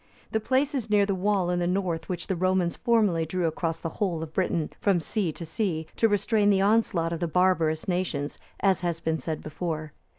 The place is near the wall in the north which the Romans formerly drew across the whole of Britain from sea to sea, to restrain the onslaught of the barbarous nations, as has been said before.